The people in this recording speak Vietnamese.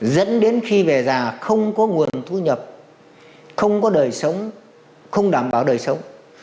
dẫn đến khi về già không có nguồn thu nhập không có đời sống không đảm bảo đời sống